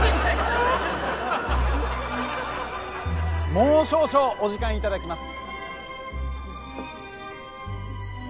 もう少々お時間頂きます。